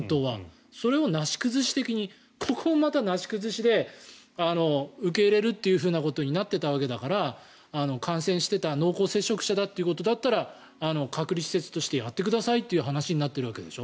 それをなし崩し的にここもまたなし崩しで受け入れるということになっていたわけだから感染してた、濃厚接触だったということだったら隔離施設としてやってくださいという話になっているわけでしょ。